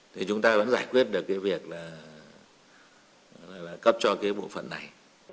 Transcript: thì chúng ta vẫn giải quyết được cái việc là cấp cho cái bộ phận này